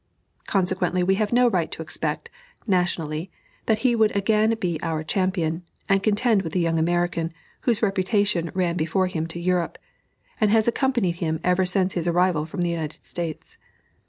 Consequently we had no right to expect, nationally, that he would again be our champion, and contend with the young American, whose reputation ran before him to Europe, and has accompanied him ever since his arrival from the United States.